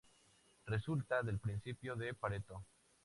Resulta del principio de Pareto.